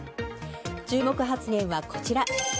注目発言はこちら。